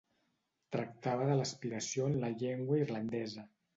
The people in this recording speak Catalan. Tractava de l'aspiració en la llengua irlandesa.